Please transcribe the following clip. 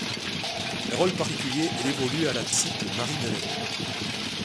Un rôle particulier est dévolu à la disciple Marie-Madeleine.